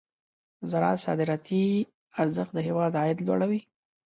د زراعت صادراتي ارزښت د هېواد عاید لوړوي.